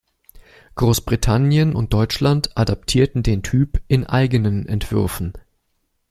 Großbritannien und Deutschland adaptierten den Typ in eigenen Entwürfen.